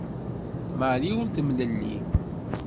Marie ur temlelli.